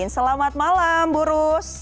selamat malam bu rus